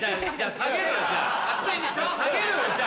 下げろよじゃあ！